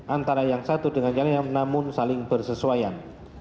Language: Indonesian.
antara yang satu dengan yang namun saling bersesuaian